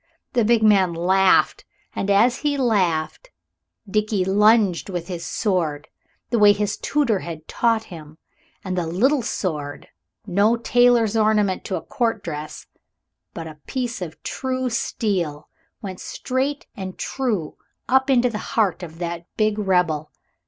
The big man laughed, and as he laughed Dickie lunged with his sword the way his tutor had taught him and the little sword no tailor's ornament to a Court dress, but a piece of true steel went straight and true up into the heart of that big rebel.